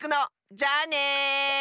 じゃあね！